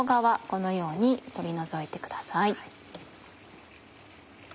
このように取り除いてください。